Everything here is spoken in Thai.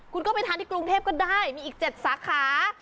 คุณก็ไปทานที่กรุงเทพก็ได้มีอีก๗สาขา